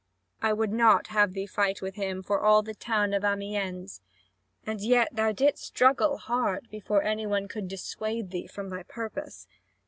I would not have thee fight with him for all the town of Amiens; and yet thou didst struggle hard, before any one could dissuade thee from thy purpose.